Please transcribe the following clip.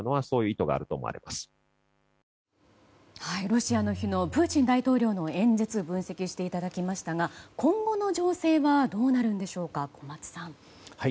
ロシアの日のプーチン大統領の演説分析していただきましたが今後の情勢はどうなるんでしょうか小松さん。